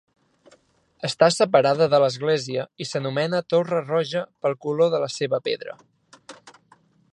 Està separada de l'església i s'anomena Torre Roja pel color de la seva pedra.